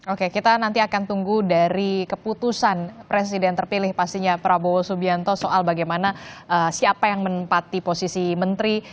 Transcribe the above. oke kita nanti akan tunggu dari keputusan presiden terpilih pastinya prabowo subianto soal bagaimana siapa yang menempati posisi menteri